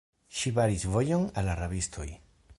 Ŝi baris vojon al la rabistoj.